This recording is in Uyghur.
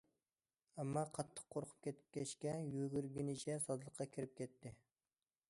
ئەمما قاتتىق قورقۇپ كەتكەچكە يۈگۈرگىنىچە سازلىققا كىرىپ كەتتى.